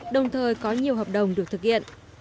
đồng thời có nhiều hợp đồng được thực hiện